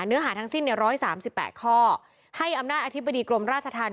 เนื้อหาทั้งสิ้นใน๑๓๘ข้อให้อำนาจอธิบดีกรมราชธรรม